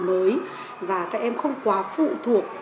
mới và các em không quá phụ thuộc